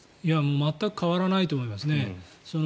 全く変わらないと思いますね。